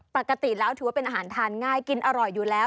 ปกติแล้วถือว่าเป็นอาหารทานง่ายกินอร่อยอยู่แล้ว